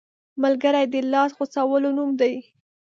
ملګری د لاس غځولو نوم دی